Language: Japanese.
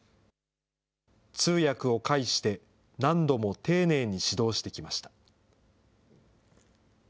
通訳を介して、何度も丁寧に指導してきました。